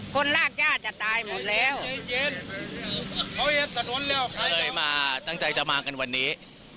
คนรากญาติจะตายหมดแล้วเย็นตั้งใจจะมากันวันนี้